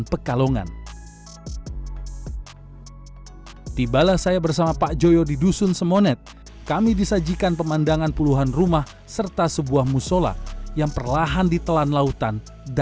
sebelumnya itu masalahnya saya nggak punya tempat tinggal di kampung